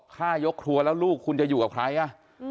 ฆ่ายกครัวแล้วลูกคุณจะอยู่กับใครอ่ะ